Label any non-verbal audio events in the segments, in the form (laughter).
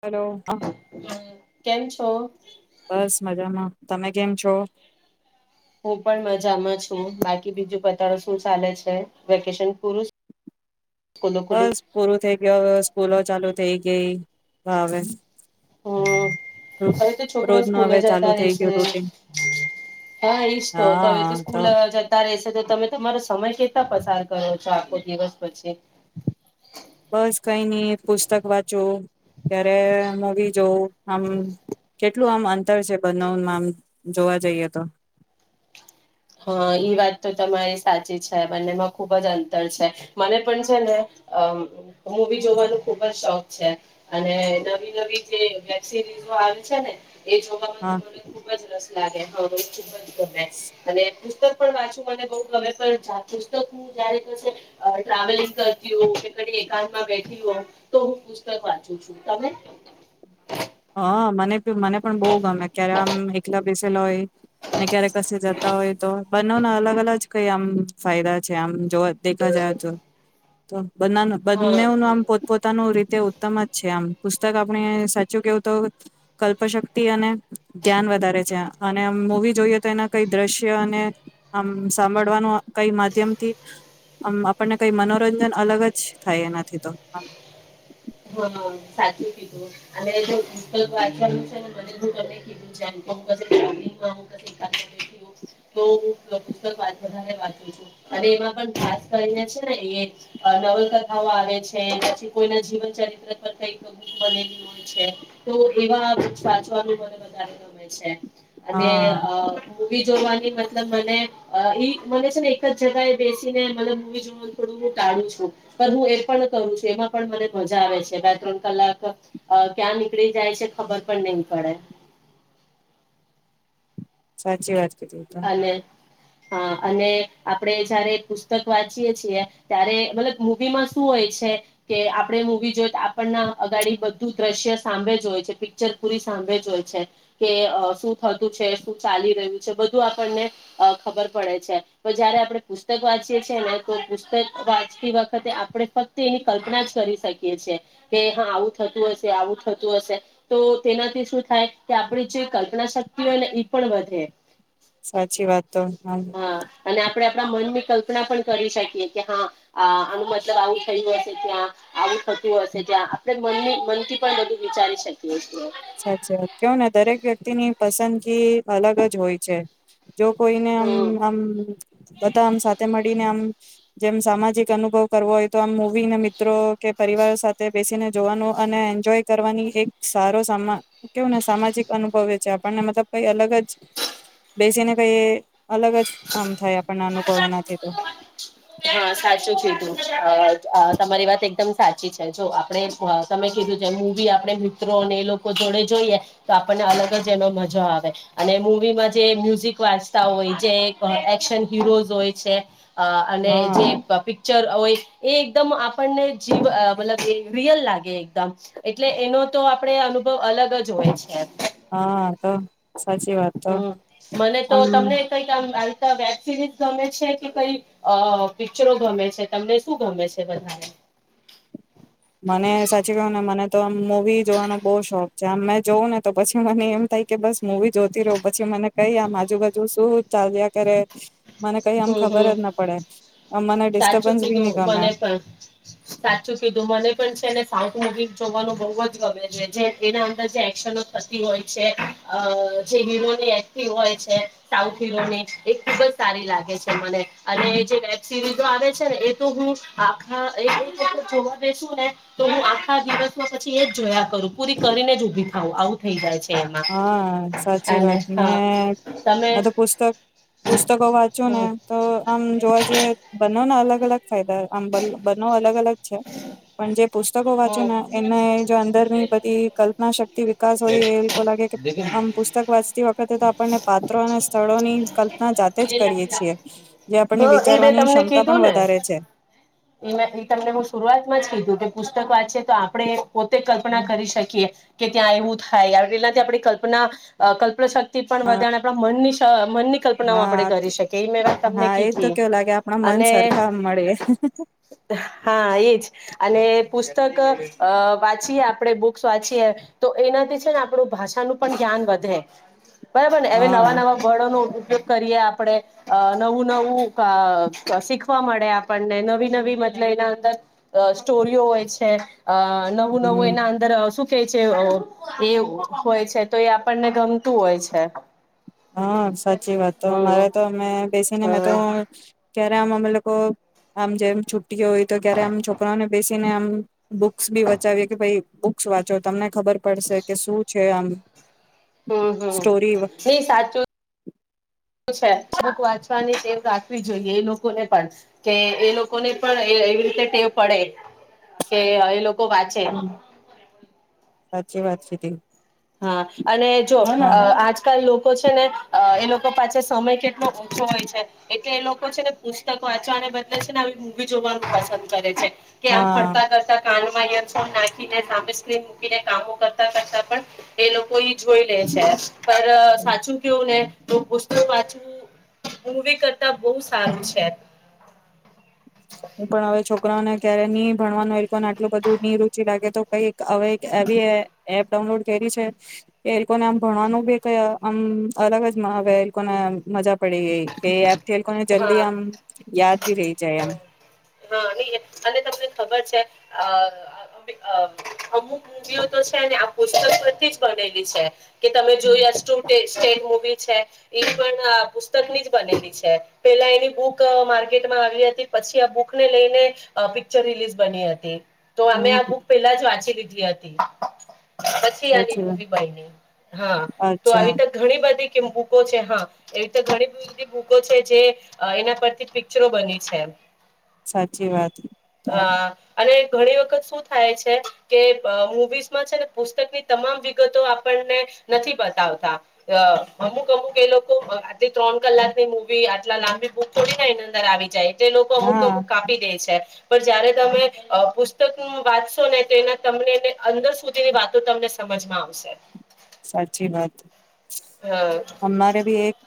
Hello હ હમ કેમ છો! બસ મજામાં તમે કેમ છો, હું પણ મજામાં છું, બાકી બીજું પતાળો શું ચાલે છે, વેકેશન પૂરું સ્કૂલો ખુલી બસ પૂરું થઈ ગયું હ સ્કૂલો ચાલુ થઈ ગઈ હાવ હમ્મ હવે તો છોકરો રોજ ન સ્કૂલે હવે ચાલુ જતા થઈ ગયું રેશે રૂટીન હા એજ તો હવે તો સ્કૂલ જતા રશે તો તમે તમારો સમય કેટલા પસાર કરોછો, આખો દિવસ પછી બસ કઈ નઈ પુસ્તક વાંચું ત્યારે મવી જોવું. આમ કેટલું આમ અંતર છે બનાવમાંમ જોવા જઈએ તો હા ઈ વાત તો તમારી સાચી છે બંનેમાં ખુબ જ અંતર છે મને પણ છે ને અ મૂવી જોવાનું ખુબ જ શોખ છે અને નવી નવી જે વેબ સિરીઝ આવે છે ને એ જોવા માં તો હા મને ખુબ જ રસ લાગે હ ખુબજ (inaudible) પુસ્તક પણ વાંચું મને બહુ ગમે પુસ્તક હ જારે ટ્રાવેલિંગ કરતી હો કે ક એકાંતમાં બેઠી હો તો હું પુસ્તક વાંચું છું તમે હા મને મને પણ બહુ ગમે ક્યારે આમ એકલા બેસેલા હોય ને ક્યારે કશે જતા હોય તો બંનેના અલગ અલગ જ કઈ આમ ફાયદા છે આમ જોવા દેખા જાય તો તો બ હા બંનેનું આમ પોતપ પોતાનું રીતે તમ જ છે આમ પુસ્તક આપણે સાચું કેવું તો કલ્પશક્તિ અને જ્ઞાન વધારે છે અને મૂવી જોઈએ તો એના કઈ દ્રશ્ય અને આમ સાંભળવાનું કઈ માધ્યમથી આમ આપણને કઈ મનોરંજન અલગ જ થાય એના તો હા સાચું કીધું અને પુસ્તક વાંચવાનું છે ને બી તમે કીધું જેમ કસે ટ્રાવેલિંગ યા બેઠી હોઉં ત્યારે પુસ્તક ખાસ વાંચું છું ખાસ કરીને છેને એ નવલકથાઓ આવે છે પછી કોઈના જીવન ચિત્ર પર કઈ બનેલી હોય છે તો એવા સાચવાનું મને વધારે ગમે છે અને હા અ મુવી જોવાની મતલબ મને મને છે ને એક જ જગએ બેસીને મતલબ મુવી જોવાનું થોડું હ ટાળું છું પણ હું એ પણ કરું છું એમાં પણ મને મજા આવે છે બે ત્રણ કલાક અ ક્યાં નીકળી જાય છે ખબર પણ નહી પડે સાચી વાત છે (unintelligible) અને હા અને આપડે જયારે પુસ્તક વાંચીયે છીએ ત્યારે મતલબ મવી માં શું હોય છે કે આપડ મૂવી જોય તો આપણના અગાડી બધું દ્રશ્ય સાંભે જ હોય છે પિક્ચર પૂરી સાંભે જ હોય છે કે શું થતું છે શું ચાલી રહ્યું છે આપણને ખબર પડે છે પણ જયારે આપણે પુસ્તક વાંચીએ છીએ ને તો પુસ્તક વાંચતી વખતે આપણે ફક્ત એની કલ્પના જ કરી શકીએ છેએ કે હા આવું થતું હશે આવું થતું હશે તો તેનાથી શું થાય કે આપણી જે કલ્પના શક્તિ હોય ને એ પણ વધે સાચી વાત તો હ હા અને આપણે આપણા મનની કલ્પના પણ કરી શકીએ કે હા આનું મતલબ આવું થયું હશે ત્યાં આવું થતું હશે ત્યાં આપણે મન મનથી પણ બધું વિચારી શકીએ છીએ સાચા કેવ ને દરેક વ્યક્તિની પસંદગી અલગ જ હોય છે જો કોઈને આમ હમ આમ બધા આમ સાથે મળીને આમ જેમ સામાજિક અનુભવ કરવો હોય તો આમ મુવીને મિત્રો કે પરિવારો સાથે બેસીને જોવાનું અને એન્જોય કરવાની એક સારો સા કેવું ને સામાજિક અનુભવે છે આપણને મતલબ કઈ અલગ જ બેસીને કઈ અલગ જ આમ થાય આપણને અનુભવ એનાથી તો હા સાચું કીધું અ તમારી વાત એકદમ સાચી છે જો આપણે તમે કીધું છે મવી આપણે મિત્રોને એ લોકો જોડે જોઈએ તો આપણને અલગ જ એનો મજો આવે અને મૂવીમાં જે મ્યુઝિક વાંચતા હોય જે એક્શન હીરોઝ હોય છે અને હા જે હોય એ એકદમ આપણને જીવ મતલબ એ રિયલ લાગે એકદમ એટલે એનો તો આપણે અનુભવ અલગ જ હોય છે હા તો સાચી વાત તો હમ આમ વેબસિરિજ઼ ગમે છે કે કઈ અ પિક્ચરો ગમે છે તમને શું ગમે છે વધારે મને સાચી કું ને મને તો આમ મુવી જોવાનો બહુ શોખ છે આમ મેં જોવું ને તો પછી મને એમ થાય કે બસ મુવી જોતી રહું પછી મને કઈ આમ આજુબાજુ તું ચાલ જ્યા કરે મને કઈ આમ હમ ખબર હમ જ ના પડે આમ મને સાચું ડિસ્ટર્બન્સ બી કીધું નહી ગમે મને છેને સાઉથ મુવી જોવાનું બઉ જ ગમે છે જે એના અંદર જે એક્શનો થતી હોય છે અ જે હીરોની એક હોય છે સાઉથ હીરોની એ ખુબ જ સારી લાગે મને અને હમ, જે વેબ સિરીઝ જો આવે છે ને એ તો હું આખા જોવા દસું ને તો હું આખા દિવસમાં પછી એ જ જોયા કરું પૂરી કરીને જ ઉભી થાવ આવું થઈ જાય છે. એમાં હા સાચી અને વાત મેને હા તમે હ તો પુસ્તક પુસ્તકો વાંચો હમ તો આમ જોવા જોઈએ બનો ને અલગ અલગ ફાયદા આંબલ બ અલગ અલગ છે પણ જે પુસ્તકો વાંચ્યું હમ ને એને જો અંદર ની બધી કલ્પના શક્તિ વિકાસ હોય એ લાગે કે આમ પુસ્તક વાંચતી વખતે તો આપણને પાત્રો અને સ્થળોની કલ્પના જાતે જ કરીએ છીએ જે હ આપણને એ વિચારવાની ક્ષમતા પણ વધારે છે. એ એ તમને હું શરૂઆતમાં જ કીધું કે પુસ્તક વાંચી તો આપણે પોતે કલ્પના કરી શકીએ. કે ત્યાં એવું થાય એનાથી આપણે કલ્પના કલ્પનાશતિ તિ પણ વધ આપ મનની શક્તિ તો હા તમને હા એજ તો કીધી કેવું લાગે આપણા મન અને સરખા મળે હા એજ અને પુસ્તક વાંચીએ આપણે બુક્સ વાંચીએ તો એનાથી છે ને આપણું ભાષાનું પણ જ્ઞાન વધે બરાબર ને હવે નવા હા નવા વળો નો ઉપયોગ કરીએ આપણે નવું નવું શીખવા મળે આપણને નવી નવી મતલબ એના અંદર સ્ટોરીઓ હોય છે અ નવું નવું હમ એના અંદર શું શ કે છે એ હોય છે તો એ આપણને ગમતું હોય છે. હા સાચી વાત તો હમ મારે તો અમે બેસીને મેં તો હમ ક્યારે આમ અમે લોકો આમ જેમ છુ્ટીઓ હોય તો ક્યારે આમ છોકરાઓને બેસીને આમ બુક્સ બી બચાવીએ કે ભાઈ બુક્સ વાંચો તમને ખબર પડશે કે શું છેમ હમ હમ એ સાચું છેક વાંચવાની ટેવ રાખવી જોઈએ એ લોકોને પણ કે એ લોકોને પણ એવી રીતે ટેવ પડે કે એ લોકો વાંચે હમ સાચી વાત છે. (unintelligible) હા અને જો આજકાલ લોકો છે ને એ લોકો પાછ સમય કેટલો છો હોય છે એટલે એ લોકો છે ને પુસ્તકો વાંચવાને બદલે છે ને આવી મૂવી જોવાનું પસંદ કરે છે. કે આમ હા ફરતા કરતા કાન ફ નાખી સા મકીને કામો કરતા કરતા પણ એ લોકો જોઈ લે છે. પર સાચન કેવું ન તો પુસ્ વાચવું હવી કરતા બહુ સારું છે. હું પણ હવે છોકરાઓને ક્યારે ની ભણવાનું એ પણ આડલું બધું ની રુચિ લાગે તો કઈક હવે એક એવી એપ ડાઉનલોડ કરી છે કે એ પણ આમ ભણવાનું બી ક આમ અલગ જ મા હવે એ પણ મજા પડી ગઈ કેપ તે કોઈ જલ્દી હા આમ યાદ ભી રહી જાય એમ હા નહી એ અને તમને ખબર છે આ આ અમુક મુવીઓ તો છે ને આ પુસ્તક પરથી જ બનેલી છે કે તમે જોય શું ટેસ્ટ સેટ મુવી છે એ પણ પુસ્તક ની જ બનેલી છે પેલા એની બુક માર્કેટમાં આવી હતી પછી આ બુકને લઈને પિક્ચર રિલીઝ બની હતી તો અમે આ હમ બુક પેલા જ વાંચી લીઘુ એ હતી પછી આની સાચી વાત. મુવી બાઈને હા તો અચ્છા આવી તો ઘણી બધી કે ભૂકો છે હા એવીતે ઘણી બધી બધી ભૂકો છે જે અ એના પરથી પિક્ચરો બની છે સાચી વાત હા ઘણી વખત શું થાય છે કે મુવીઝમાં છે ને પુસ્તકની તમામ વિગતો આપણને નથી બતાવતા અ અમુક અમુક એ લોકો આટલી ત્રણ કલાકની મુવી લા લા લાંબી બુક થોડી ને એની અંદર આવી જાય જે લોકો અમુક હા અમુક કાપી દે છે પણ જયારે તમે પુસ્તક વાંચશો ને તોના તમને અંદર સુધીની વાતો તમને સમજમાં આવશે સાચી વાત હ અમારે ભી એક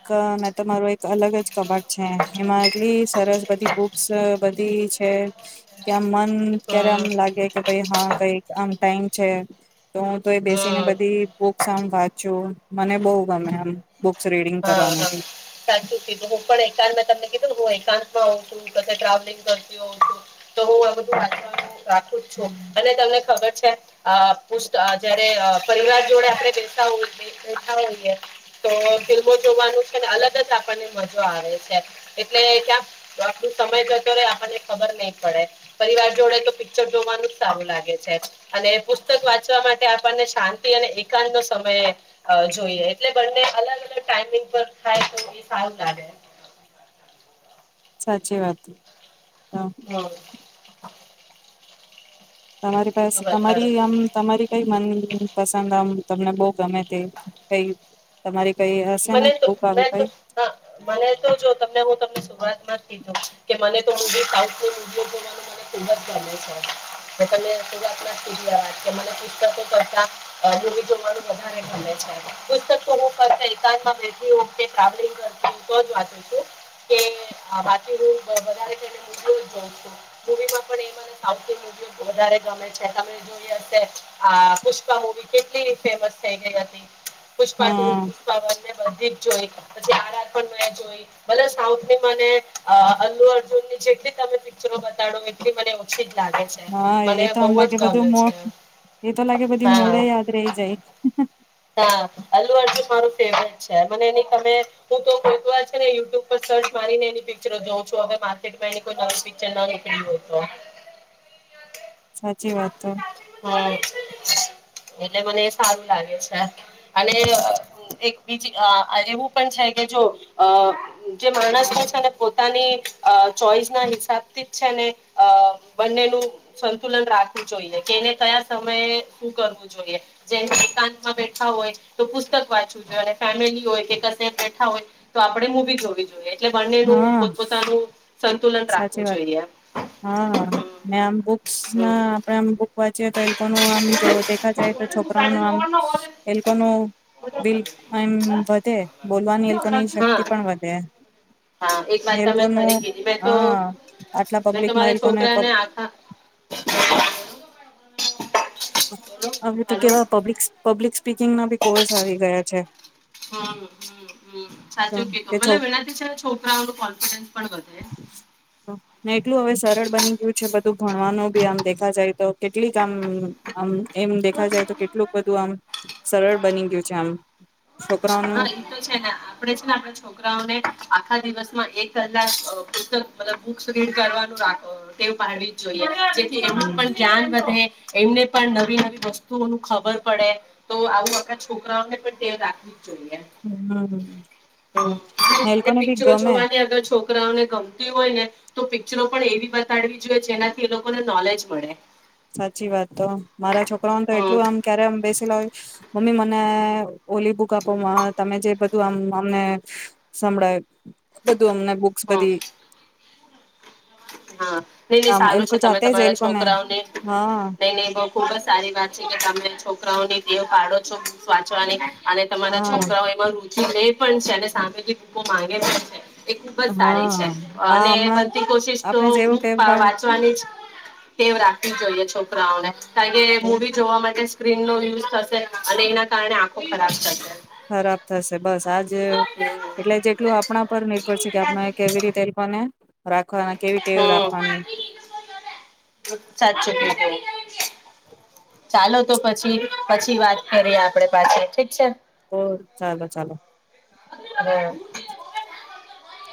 તમારોું એક અલગ જ કબાડ છે એમાં એટલી સરસ બધી બુક્સ એ છે કે આમ મન ક્યારે હમ આમ લાગે કે ભાઈ હા કઈ આમ ટાઈમ છે તુ તે એ બેસીને હમ બધી સં વાત છું તો મને બહુ ગમે એમ હા હા સાચું કીધું હું પણ એકાત મા તમને કીધું હોય તાન ભાઉ ટ્રાફિક કરતી હોઉ છું તો હું આ બધું રાખું છું અને તમને ખબર છે પુછતા જયારે પરિવાર જોડે આપણે બેસતા હોઈએ તો ફિલ્મો જોવાનુ છે ને અલગ જ આપણને મજા આવે છે એટલે ક્યાં આપણું સમય જતો રહેે આપણને ખબર નહી પડે પરિવાર જોડે તો પિક્ચર જોવાનું જ સારું લાગે છે અને પુસ્તક વાંચવા માટે આપણને શાંતિ અને એકાંત નો સમય જોઈએ એટલે બંને અલગ અલગ ટાઈમિંગ પર થાય તો સારું સાચી વાત હમ (unintelligible) તમારી પાસે બીજું બતાડો તમારી આમ તમારી કઈ મન પસંદ આમ તમને બહુ ગમે તે કઈ તમારી કઈ હશે ને મને તો બુક મે આવી તો કઈ હા મને તો જો તમને હું તમને બાદબાકી ગમે છે. કે મને તો (unintelligible) મને પુસ્તકો કરતા મુવી જોવાનું વધારે ગમે છે. પુસ્તક તો હું કર કાર માં બેસતી વખતે ટ્રાવેલિંગ કરતા બુકજ વાચું છું. (unintelligible) કે વધુંવી વધ ગમે છે ત જો પુષ્પા મુવી કેટલી ફેમસ થઈ ગઈ હતી. પુષ્પાટુ હા જોઈ પછી આર આર પણ મેં જોઈ. બધા સાઉથ ની મને અ અ અલ્લુ અર્જુનની જેટલી તમે પિક્ચરો બતાડો એટલી મને શે હા એ તો આમ લાગે બધું મો છે એ તો લાગે બધી હા મોડે યાદ રહી જાય. હા અલુ અર્જુ મારું ફેવરેટ છે. મને એની તમે હું તો કોઈ કોઈ આજ છેને, યુટ્યુબ પર સર્ચ મારિને એની પિક્ચર જોઉં છું. હવે માર્ટમાં એઈ નવી પિક્ચર ના નીકળી હોય તો. સાચી વાત તો હમ્મ એટલે મને સારું લાગે છે. અનેઅ એક બીજી અ એવું પણ છે કે જો અ જે માણસને છે ને પોતાની અ ચોઈસ ના હિસાબ થીજ છે ને અ બંનેનું સંતુલન રાખવું જોઈએ કે એને કયા સમયે શું કરવું જોઈએ જે મા બેઠા હોય તો પુસ્તક વાંચવું જોયે. અને ફેમિલી હોય કે કસે બેઠા હોય તો આપડે મુવી જોવી જોઈએ. એટલે બંને નુ હા પોતપોતાનું સર સાચી વાત. હા ને આમ બુક્સ ના હમ આપણે આમ બુક વાંચીએ તો એ લોકોનું આમ જો દેખા જાય તો છોકરાઓનું આમ એ લોકોનું બિલ એમ વધે. બોલવાની એ લોકોની શક્તિ હા પણ વધે. હા એક વાત એ તમે લોકોનું ખરી કીધી હા તો આટલા મેં તો પબ્લિકમાં મારા એ લોકોને છોકરાને આખા (unintelligible) બોલો હવે તો હલો કેવા પબ્લિકસ પબ્લિકસ સ્પીકિંગના બી કોર્સ આવી ગયા છે. હમ્મ હમ્મ તો સાચું કે કીધું. છો ભલે વિનાતી છે છોકરાઓ ન કોન્ફિડન્સ પણ વધે તું ભણવાનું બી આમ દેખા જાય તો કેટલીક આમ દુ હમ્મ એમ દેખા જાય તો કેટલુંક બધું આમ સરળ બની ગયું છે આમ. છોકરાઓનું હા એતો છે. ને આપણે છે ને આપણા છોકરાઓને આખા દિવસમાં એક કલાક અ પુસ્તક મતલબ બુક્સ રીડ કરવાનું રાખો ટેવ પાડવી જ જોઈએ જેથી એનું હમ પણ જ્ઞાન વધે એમને પણ નવી નવી વસ્તુઓ ન ખબર પડે. તો આવું આવુ આપડા છોકરાઓને પણ ટેવ રાખવ ને એ અને લોકોને બી પિક્ચરો ગમે જોવાની અગર છોકરાઓને ગમતી હોય ને તો પિક્ચરો પણ એવી બતાડવી જોઈએ જેનાથી એ લોકોને નોલેજ મળે. સાચી વાત તો મારા છોકરાઓને તો હમ એટલું આમ ક્યારે આ બેસીલોય મમ્મી મને ઓલી બુક આપો માં તમે જે બધું આમ અમને સંભળાય અમને બુક્સ હમ બધી હા, નઈ નઈ આમ એ સારું લોકો છે, તમે જાતે જ એ તમારા લોકોને છોકરાઓને હા નહી નહી બહુ ખુબ જ સારી વાત છે, કે તમે છોકરાઓની દેહ પાડો છો વાંચવાની અને તમારા હા છોકરાઓ એમાં રુચિ રે પણ છે અને સામે જે ભકો માંગે પણ છે, એ ખુબ જ સારી છે, હા અને આ હમણાં બનતી કોશિશ તો આપણે જેવું બુ ટેપ બાળ વાંચવાની જ કેવ રાખવી જોઈએ, છોકરી હા કારણ કે, તો મૂવી જોવા માટે સ્ક્રીન નો યુઝ થશે અને એના કારણે આંખો ખરાબ થશે, ખરાબ થશે, બસ આજ એટલે જેટલું આપણા પર નિર્ભર છે, કે આપણે કેવી રીતે એલને હમ્મ સાચુ કીધુ ચાલો તો પછી પછી વાત કરીએ, આપડે પાછી ઠીક છે, ઓ ચાલો ચાલો (unintelligible)